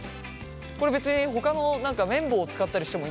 これ別にほかのめん棒を使ったりしてもいいんですよね？